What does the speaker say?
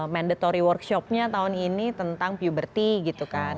mandatory workshopnya tahun ini tentang puberty gitu kan